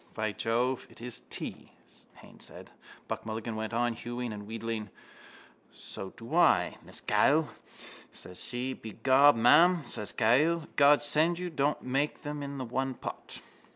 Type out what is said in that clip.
—By Jove, it is tea, Haines said. Buck Mulligan went on hewing and wheedling: —So I do, Mrs Cahill, says she. Begob, ma'am, says Mrs Cahill, _God send you don't make them in the one pot.